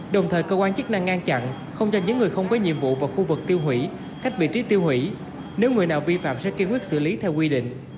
đồng thời cơ quan chức năng ngăn chặn không cho những người không có nhiệm vụ vào khu vực tiêu hủy cách vị trí tiêu hủy nếu người nào vi phạm sẽ kiên quyết xử lý theo quy định